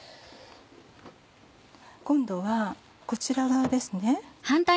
今度はこちら側です。